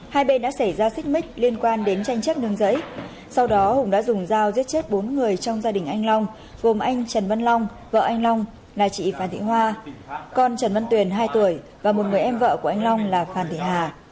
hai bên đã xảy ra xích mích liên quan đến tranh chấp nương giấy sau đó hùng đã dùng dao giết chết bốn người trong gia đình anh long gồm anh trần văn long vợ anh long là chị phan thị hoa con trần văn tuyền hai tuổi và một người em vợ của anh long là phan thị hà